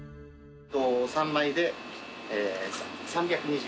３枚で３２４円。